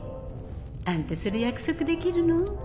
あんたそれ約束できるの？